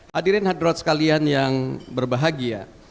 hadirin hadirat sekalian yang berbahagia